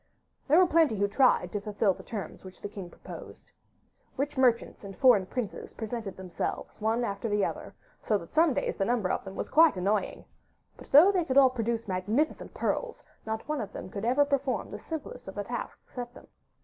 There were plenty who tried to fulfil the terms which the king proposed. Rich merchants and foreign princes presented themselves one after the other, so that some days the number of them was quite annoying; but, though they could all produce magnificent pearls, not one of them could perform even the simplest of the tasks set them.